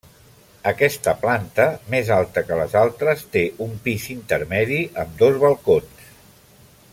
Aquesta planta, més alta que les altres té un pis intermedi amb dos balcons.